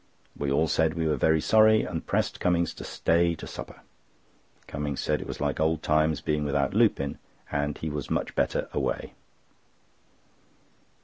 We all said we were very sorry, and pressed Cummings to stay to supper. Cummings said it was like old times being without Lupin, and he was much better away.